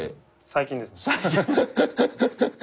最近ですね。